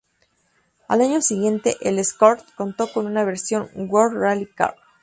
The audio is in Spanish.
Al año siguiente el Escort contó con una versión World Rally Car.